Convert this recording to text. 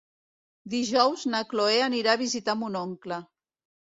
Dijous na Cloè anirà a visitar mon oncle.